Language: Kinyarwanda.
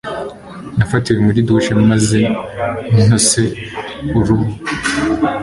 Nafatiwe muri douche maze ntose uruhu.